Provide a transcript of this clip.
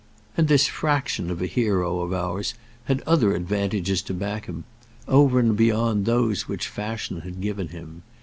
And this fraction of a hero of ours had other advantages to back him, over and beyond those which fashion had given him.